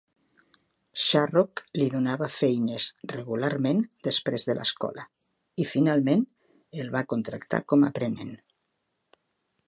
Sharrock li donava feines regularment després de l'escola i, finalment, el va contractar com a aprenent.